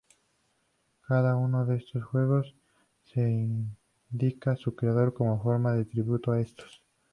Cada uno de estos juegos indica su creador como forma de tributo a estos.